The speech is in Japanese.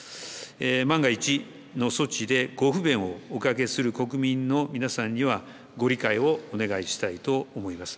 万が一の措置で、ご不便をおかけする国民の皆さんにはご理解をお願いしたいと思います。